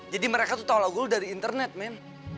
jadi mereka tuh tahu lagu lu dari internet men